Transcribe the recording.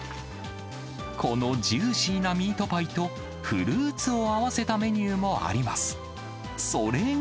このジューシーなミートパイと、フルーツを合わせたメニューもあります。